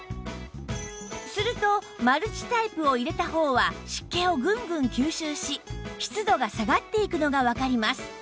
するとマルチタイプを入れた方は湿気をぐんぐん吸収し湿度が下がっていくのがわかります